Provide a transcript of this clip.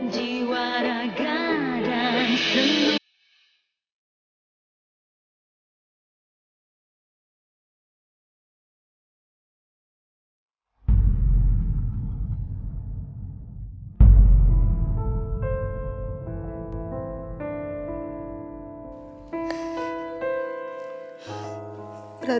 jiwa raga dan seluruh